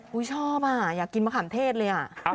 ชอบอ่ะอยากกินมะขามเทศเลย